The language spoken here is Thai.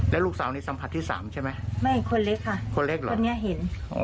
แล้วลูกสาวนี้สัมผัสที่สามใช่ไหมไม่คนเล็กค่ะคนเล็กเหรอคนนี้เห็นอ๋อ